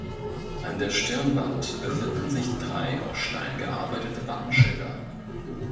An der Stirnwand befinden sich drei aus Stein gearbeitete Wappenschilder.